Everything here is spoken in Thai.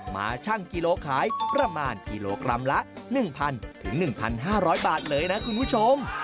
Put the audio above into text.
ช่างกิโลขายประมาณกิโลกรัมละ๑๐๐๑๕๐๐บาทเลยนะคุณผู้ชม